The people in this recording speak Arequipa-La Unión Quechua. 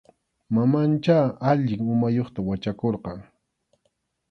Mamanchá allin umayuqta wachakurqan.